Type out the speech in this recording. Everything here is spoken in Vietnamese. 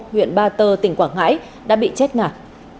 huyện ba tơ tỉnh quảng ngãi đã bị chết ngạt